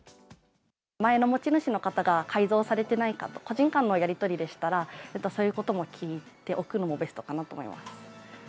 前の持ち主の方が改造されてないかとか、個人間のやり取りでしたら、そういうことも聞いておくのもベストかなと思います。